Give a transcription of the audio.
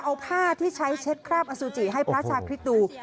เอาผ้าที่ใช้เช็ดคราบอสุจิให้พระชาคริสต์ดู